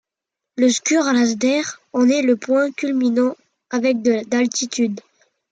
Le Sgùrr Alasdair en est le point culminant avec d'altitude.